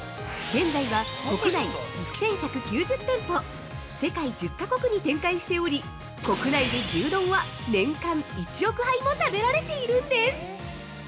現在は国内１１９０店舗、世界１０か国に展開しており国内で牛丼は、年間１億杯も食べられているんです！